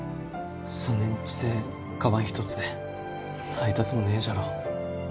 そねん小せえかばん一つで配達もねえじゃろう。